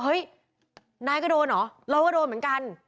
เฮ้ยนายก็โดนเหรอเราก็โดนเหมือนกัน